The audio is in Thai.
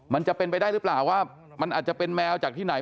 มันจะเป็นไปได้หรือเปล่าว่ามันอาจจะเป็นแมวจากที่ไหน